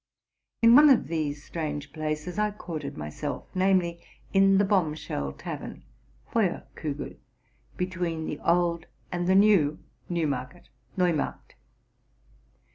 In one of these strange places I quartered myself ; namely, in the Bombshell Tavern ( Feuer kugel), between the Old and the New Newmarket (Neu markt).